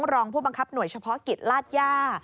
รองผู้บังคับหน่วยเฉพาะกิจลาดย่า